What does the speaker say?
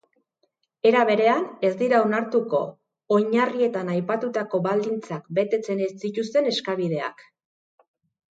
Era berean, ez dira onartuko oinarrietan aipatutako baldintzak betetzen ez dituzten eskabideak.